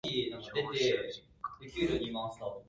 ちょうどこの時期にあのカフェでかぼちゃのフェアを開催してるよ。